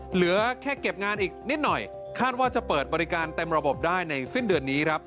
เหลือแค่เก็บงานอีกนิดหน่อยคาดว่าจะเปิดบริการเต็มระบบได้ในสิ้นเดือนนี้ครับ